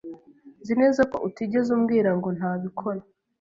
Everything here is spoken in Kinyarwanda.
Nzi neza ko utigeze umbwira ngo ntabikora.